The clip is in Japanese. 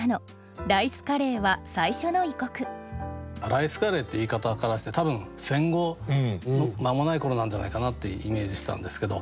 「ライスカレー」って言い方からして多分戦後間もない頃なんじゃないかなってイメージしたんですけど。